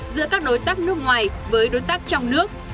giữa các đối tác nước ngoài với đối tác trong nước